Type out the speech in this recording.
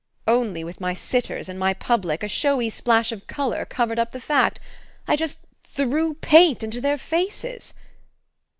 Only, with my sitters and my public, a showy splash of colour covered up the fact I just threw paint into their faces....